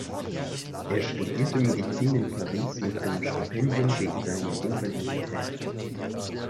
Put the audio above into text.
Er studierte Medizin in Paris mit einem Stipendium wegen seiner Invalidität.